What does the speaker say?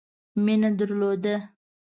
مینه درلوده.